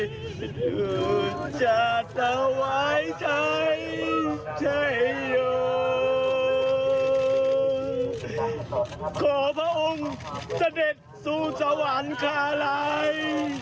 หรือจะตะวายใช้ใช้โยงขอพระองค์สะเด็ดสู่สวรรค์ค่ะลาย